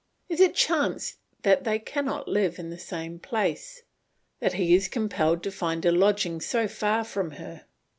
Is it chance that they cannot live in the same place, that he is compelled to find a lodging so far from her?